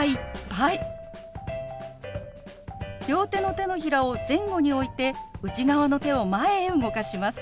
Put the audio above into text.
両手の手のひらを前後に置いて内側の手を前へ動かします。